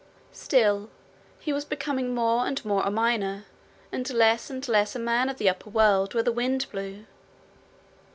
Still, he was becoming more and more a miner, and less and less a man of the upper world where the wind blew.